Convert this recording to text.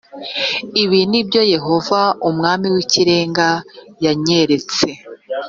ibi ni byo yehova umwami w ikirenga yanyeretse